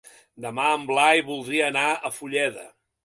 Demà en Blai voldria anar a Fulleda.